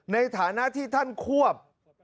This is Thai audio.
ในฐานะที่ท่านควบ